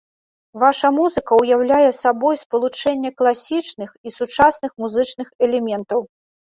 Ваша музыка ўяўляе сабою спалучэнне класічных і сучасных музычных элементаў.